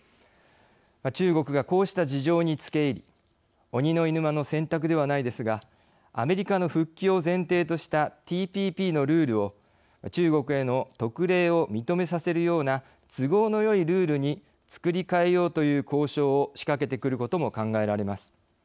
中国がこうした事情につけ入り鬼の居ぬ間の洗濯ではないですがアメリカの復帰を前提としたＴＰＰのルールを中国への特例を認めさせるような都合のよいルールにつくり替えようという交渉を仕掛けてくることも考えられます。